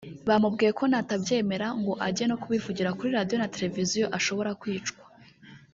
bamubwiye ko natabyemera ngo ajye no kubivugira kuri Radiyo na Televiziyo ashobora kwicwa